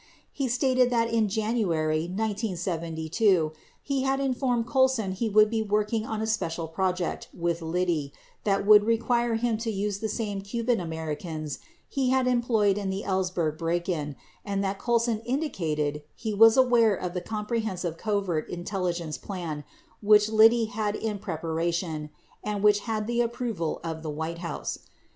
He stated that in January 1972, he had informed Colson he would be working on a special project with Liddy that would require him to use the same Cuban Americans he had employed in the Ells berg break in and that Colson indicated he was aware of the compre hensive covert intelligence plan which Liddy had in preparation and which had the approval of the White House.